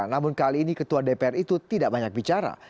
namun kali ini ketua dpr itu tidak banyak bicara